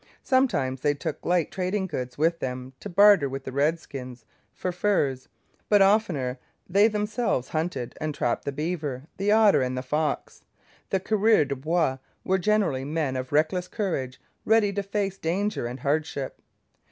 Sometimes they took light trading goods with them to barter with the redskins for furs, but oftener they themselves hunted and trapped the beaver, the otter, and the fox. The coureurs de bois were generally men of reckless courage, ready to face danger and hardship.